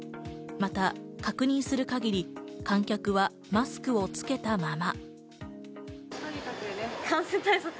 また確認する限り、観客はマスクを着けたまま。